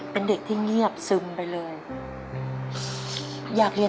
เป็นเด็กที่เงียบซึมไปเลย